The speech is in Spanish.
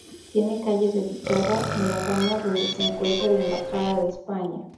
Tiene calle dedicada en La Habana, donde se encuentra la Embajada de España.